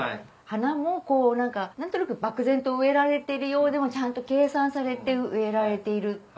花もこう何か何となく漠然と植えられているようでもちゃんと計算されて植えられている。